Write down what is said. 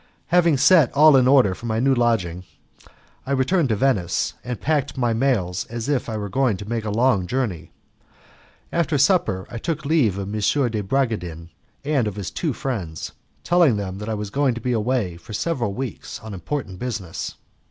Having set all in order for my new lodging, I returned to Venice and packed my mails as if I were about to make a long journey. After supper I took leave of M. de Bragadin and of his two friends, telling them that I was going to be away for several weeks on important business.